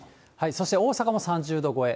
そして大阪も３０度超え。